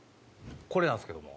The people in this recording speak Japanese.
これなんですけども。